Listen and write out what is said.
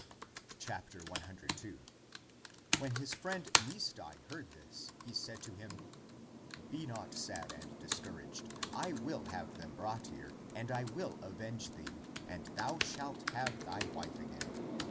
102. When his friend Misdai heard this, he said to him, " Be not sad and discouraged ! I will have them brought here, and I will avenge thee, and thou shalt have thy wife again.